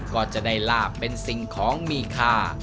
ก็จะได้ลาบเป็นสิ่งของมีค่า